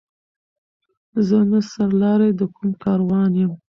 زه نه سر لاری د کوم کاروان یم